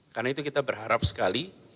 karena itu kita berharap sekali